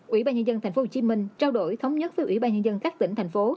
ủy ban nhân dân tp hcm trao đổi thống nhất với ủy ban nhân dân các tỉnh thành phố